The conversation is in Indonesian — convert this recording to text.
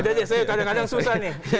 udah deh saya kadang kadang susah nih